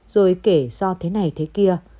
rồi kể do thế này thế kia